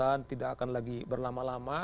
tidak akan lagi berlama lama